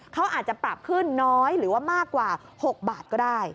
เขาอาจจะปรับขึ้นน้อยหรือว่ามากกว่า๖บาทก็ได้